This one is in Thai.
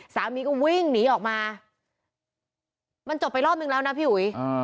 สามีก็วิ่งหนีออกมามันจบไปรอบนึงแล้วนะพี่อุ๋ย